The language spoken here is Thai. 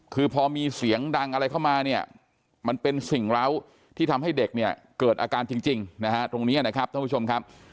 คือพอมีเสียงดังอะไรเข้ามาเนี่ยมันเป็นสิ่งเหล้าที่ทำให้เด็กเนี่ยเกิดอาการจริงนะฮะตรงนี้นะครับท่านผู้ชมครับ